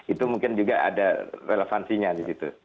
itu mungkin juga ada relevansinya di situ